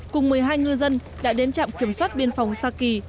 cùng một mươi hai ngư dân đã đến trạm kiểm soát biên phòng sa kỳ